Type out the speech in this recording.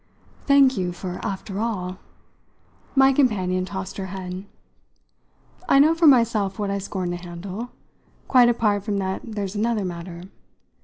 "Thank you for 'after all'!" My companion tossed her head. "I know for myself what I scorn to handle. Quite apart from that there's another matter.